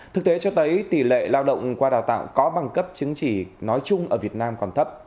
thực tế cho thấy tỷ lệ lao động qua đào tạo có bằng cấp chứng chỉ nói chung ở việt nam còn thấp